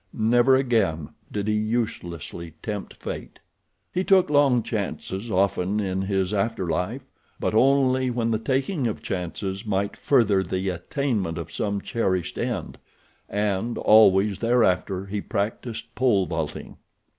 Never again did he uselessly tempt fate. He took long chances often in his after life; but only when the taking of chances might further the attainment of some cherished end—and, always thereafter, he practiced pole vaulting.